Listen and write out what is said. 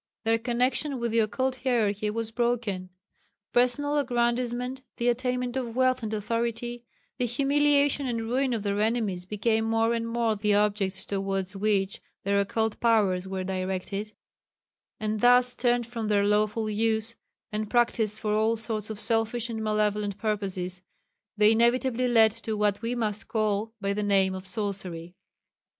Their connection with the Occult Hierarchy was broken. Personal aggrandisement, the attainment of wealth and authority, the humiliation and ruin of their enemies became more and more the objects towards which their occult powers were directed: and thus turned from their lawful use, and practised for all sorts of selfish and malevolent purposes, they inevitably led to what we must call by the name of sorcery.